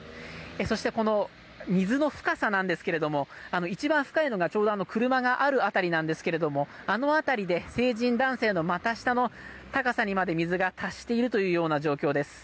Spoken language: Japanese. そして水の深さなんですけれども一番深いのがちょうど車がある辺りなんですがあの辺りで成人男性の股下の高さにまで水が達しているというような状況です。